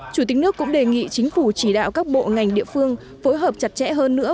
chủ tịch nước cũng đề nghị chính phủ chỉ đạo các bộ ngành địa phương phối hợp chặt chẽ hơn nữa